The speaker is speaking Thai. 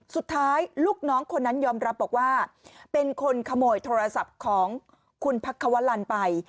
สุดท้ายลูกน้องคนนั้นยอมรับบอกว่าเป็นคนขโมยโทรศัพท์ของคุณพักควรรณไป